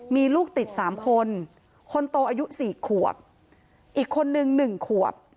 มีลูกติดสามคนคนโตอายุสี่ขวบอีกคนนึง๑ขวบ